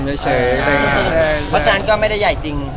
เพราะฉะนั้นก็ไม่ได้ใหญ่จริง